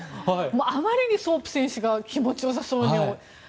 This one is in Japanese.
あまりにソープ選手が気持ち良さそうに泳いでいて。